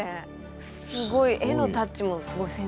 すごい絵のタッチもすごい繊細ですね。